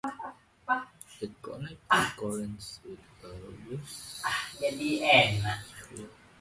It connects Corinth with Argos, via Epidavros and Nafplio.